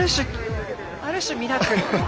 ある種ミラクル。